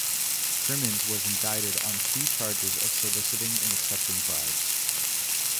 Crimmins was indicted on two charges of soliciting and accepting bribes.